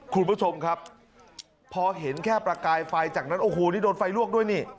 คุณผู้ชมครับพอเห็นแค่ประกายไฟจากนั้นโอ้โหนี่โดนไฟลวกด้วยนี่